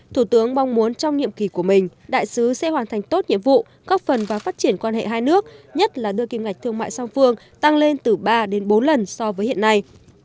thủ tướng mong muốn trong nhiệm kỳ của mình đại sứ sẽ hoàn thành tốt nhiệm vụ góp phần và phát triển quan hệ hai nước nhất là đưa kim ngạch thương mại song phương tăng lên từ ba đến bốn lần so với hiện nay